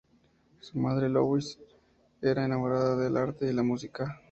Su madre, Louise, era una enamorada del arte y la música.